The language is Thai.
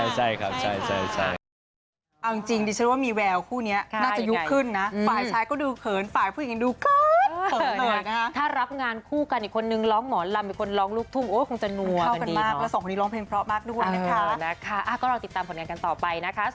ใช่แต่ว่าคือเหมือนกุ๊กกิ๊กตามบทบาทใช่ครับใช่